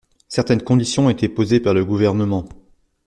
Certaines conditions ont été posées par le Gouvernement.